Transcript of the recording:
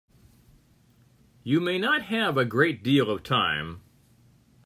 You may not have a great deal of time.